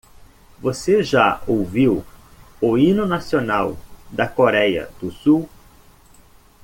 Você já ouviu o hino nacional da Coreia do Sul?